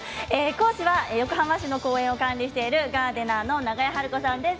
講師は横浜市の公園を管理しているガーデナーの永江晴子さんです。